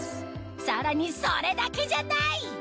さらにそれだけじゃない！